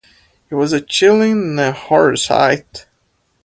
It was a chilling and a horrid sight!